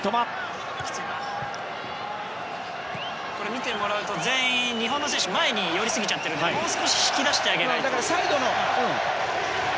見てもらうと全員、日本の選手前に寄りすぎちゃってるのでもう少し引き出してあげないと。